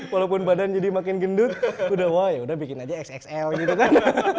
walaupun badan jadi makin gendut udah wah yaudah bikin aja xxl gitu kan